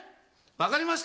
分かりました。